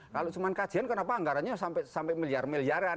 kalau cuma kajian kenapa anggarannya sampai miliar miliaran